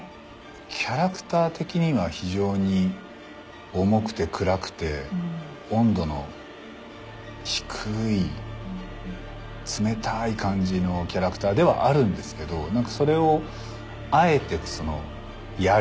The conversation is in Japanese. キャラクター的には非常に重くて暗くて温度の低い冷たい感じのキャラクターではあるんですけど何かそれをあえてやるっていうプレーするっていう。